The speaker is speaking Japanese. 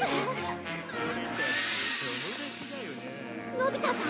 のび太さん！？